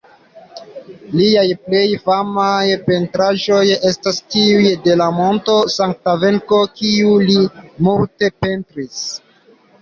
Liaj plej famaj pentraĵoj estas tiuj de la monto Sankta-Venko kiun li multe pentris.